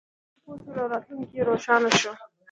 ماشومان پوه شول او راتلونکی یې روښانه شو.